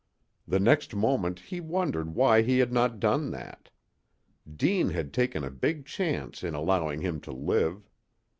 The next moment he wondered why he had not done that. Deane had taken a big chance in allowing him to live.